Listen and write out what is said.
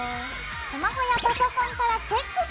スマホやパソコンからチェックしてみてね。